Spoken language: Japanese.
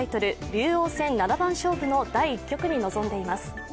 竜王戦七番勝負の第１局に臨んでいます。